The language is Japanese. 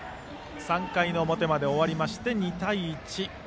３回の表まで終わりまして２対１。